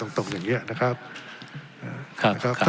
ทั้งสองกรณีผลเอกประยุทธ์